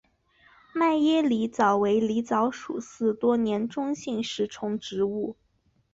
迈耶狸藻为狸藻属似多年中型食虫植物。